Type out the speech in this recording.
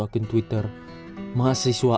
akun twitter mahasiswa